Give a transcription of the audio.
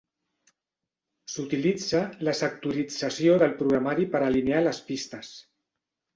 S'utilitza la sectorització del programari per alinear les pistes.